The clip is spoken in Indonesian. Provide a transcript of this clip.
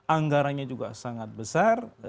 anggaranya juga sangat besar